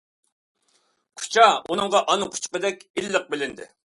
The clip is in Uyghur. كوچا ئۇنىڭغا ئانا قۇچىقىدەك ئىللىق بىلىندى.